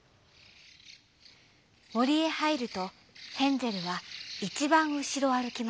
もりへはいるとヘンゼルがいちばんうしろをあるきました。